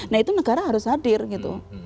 nah itu negara harus hadir gitu